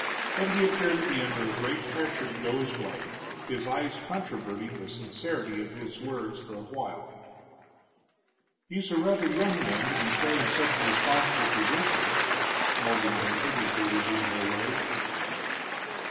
But he appeared to be under a great pressure to go his way, his eyes controverting the sincerity of his words the while. "He's rather a young man to be filling such a responsible position," Morgan ventured as they resumed their way.